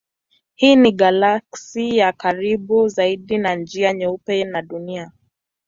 Hii ni galaksi ya karibu zaidi na Njia Nyeupe na Dunia.